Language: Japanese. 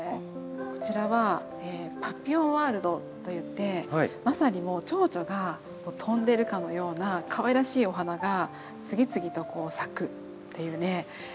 こちらは‘パピヨンワールド’といってまさにもうチョウチョが飛んでるかのようなかわいらしいお花が次々とこう咲くっていうね